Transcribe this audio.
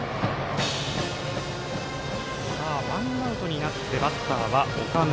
ワンアウトになってバッターは岡村。